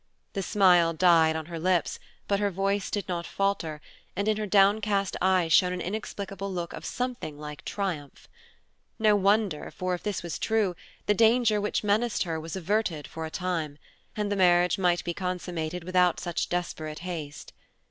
The smile died on her lips, but her voice did not falter, and in her downcast eyes shone an inexplicable look of something like triumph. No wonder, for if this was true, the danger which menaced her was averted for a time, and the marriage might be consummated without such desperate haste.